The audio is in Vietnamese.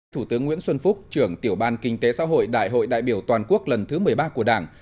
thủ tướng nguyễn xuân phúc trưởng tiểu ban kinh tế xã hội đại hội đại biểu toàn quốc lần thứ một mươi ba của đảng